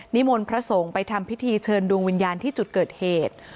มนต์พระสงฆ์ไปทำพิธีเชิญดวงวิญญาณที่จุดเกิดเหตุ